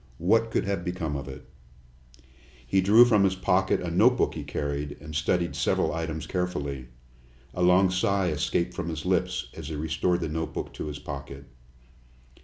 "What could have become of it?" He drew from his pocket a notebook he carried, and studied several items carefully. A long sigh escaped from his lips as he restored the notebook to his pocket.